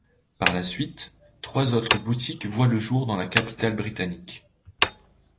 Par la suite, trois autres boutiques voient le jour dans la capitale britannique.